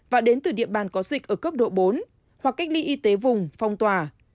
và đến từ địa bàn có dịch ở cấp độ bốn hoặc cách ly y tế vùng phòng tòa